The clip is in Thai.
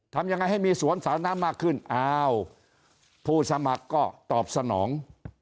ทำยังไงให้มีสวนสาธารณะมากขึ้นอ้าวผู้สมัครก็ตอบสนอง